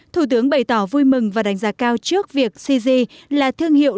thủ tướng bày tỏ vui mừng và đánh giá cao trước việc cz là thương hiệu